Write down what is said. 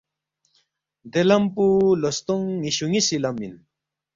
دے لمپو لو ستونگ نِ٘یشُو نِ٘یسی لم اِن